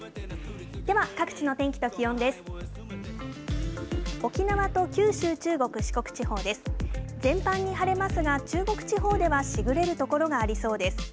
では、各地の天気と気温です。